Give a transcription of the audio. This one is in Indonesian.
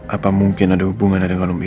apa mungkin ada hubungannya dengan om irfan